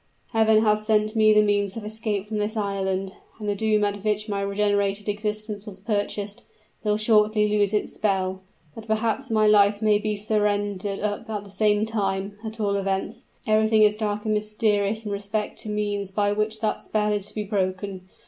Heaven has sent me the means of escape from this island and the doom at which my regenerated existence was purchased, will shortly lose its spell. But perhaps my life may be surrendered up at the same time; at all events, everything is dark and mysterious in respect to means by which that spell is to be broken.